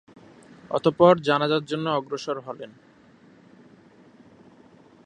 অতঃপর জানাযার জন্য অগ্রসর হলেন।